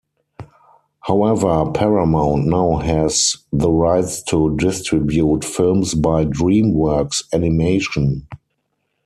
However, Paramount now has the rights to distribute films by DreamWorks Animation.